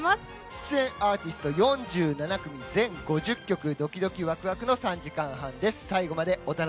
出演アーティスト４７組全５０曲ドキドキ・ワクワクの３時間半です。